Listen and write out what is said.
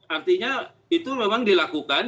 artinya itu memang dilakukan